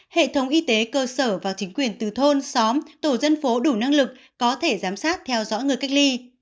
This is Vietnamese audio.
hệ thống y tế cơ sở và chính quyền từ thôn xóm tổ dân phố đủ năng lực có thể giám sát theo dõi người cách ly